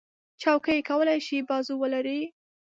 چوکۍ کولی شي بازو ولري.